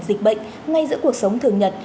dịch bệnh ngay giữa cuộc sống thường nhật